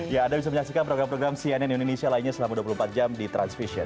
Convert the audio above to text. ya anda bisa menyaksikan program program cnn indonesia lainnya selama dua puluh empat jam di transvision